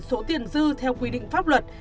số tiền dư theo quy định pháp luật